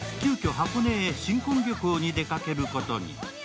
箱根へ新婚旅行に出かけることに。